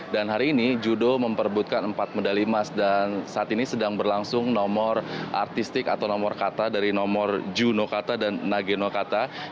dan hari ini judo memperbutkan empat medali emas dan saat ini sedang berlangsung nomor artistik atau nomor kata dari nomor juno kata dan nage no kata